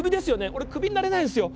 俺クビになれないんすよ。